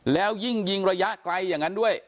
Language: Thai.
แล้วยิ่งยิงระยะไกลอย่างนั้นด้วย